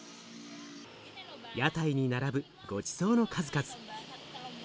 屋台に並ぶごちそうの数々。